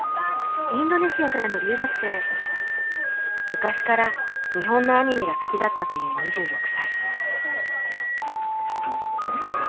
昔から日本のアニメが好きだったという２６歳。